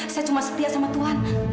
saya cuma setia sama tuhan